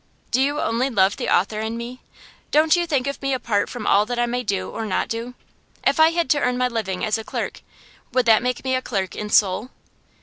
Do you only love the author in me? Don't you think of me apart from all that I may do or not do? If I had to earn my living as a clerk, would that make me a clerk in soul?